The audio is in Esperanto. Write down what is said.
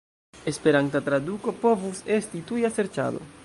Esperanta traduko povus esti "tuja serĉado".